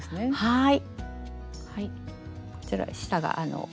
はい。